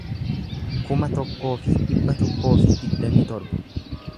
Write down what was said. kuma tokkoo fi dhibba tokkoo fi digdamii torba